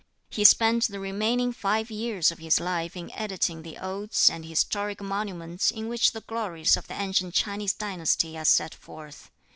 He spent the remaining five years of his life in editing the odes and historic monuments in which the glories of the ancient Chinese dynasty are set forth.